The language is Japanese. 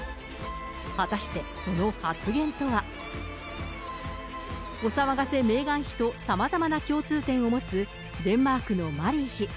果たして、その発言とは。お騒がせメーガン妃とさまざまな共通点を持つデンマークのマリー妃。